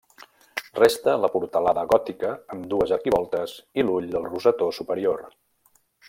Resta la portalada gòtica amb dues arquivoltes i l'ull del rosetó superior.